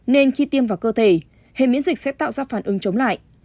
nên khi tiêm vào cơ thể hệ miễn dịch sẽ tạo ra phản ứng chống lại